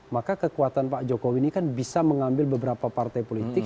maka kekuatan pak jokowi ini kan bisa mengambil beberapa partai politik